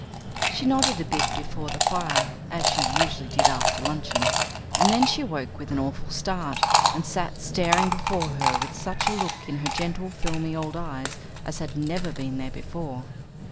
She nodded a bit before the fire, as she usually did after luncheon, and then she awoke with an awful start and sat staring before her with such a look in her gentle, filmy old eyes as had never been there before.